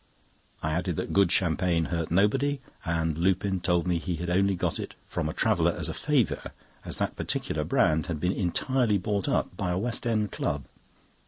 I added that good champagne hurt nobody, and Lupin told me he had only got it from a traveller as a favour, as that particular brand had been entirely bought up by a West End club.